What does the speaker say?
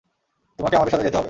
তোমাকে আমাদের সাথে যেতে হবে।